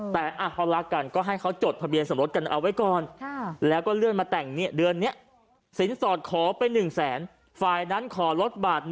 แต่พอมีขอบิถก็เลยเรื่อนมา